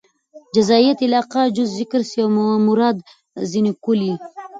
جزئيت علاقه؛ جز ذکر سي او مراد ځني کُل يي.